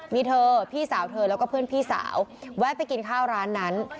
มีเธอพี่สาวเธอแล้วก็เพื่อนพี่สาวแวะไปกินข้าวร้านนั้น